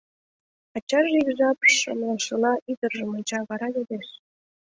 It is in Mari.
Ачаже ик жап шымлышыла ӱдыржым онча, вара йодеш: